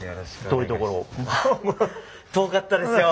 遠かったですよ。